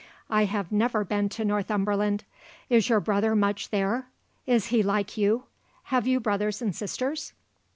"I have never been to Northumberland. Is your brother much there? Is he like you? Have you brothers and sisters?"